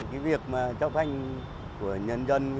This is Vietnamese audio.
cái việc mà cho phanh của nhân dân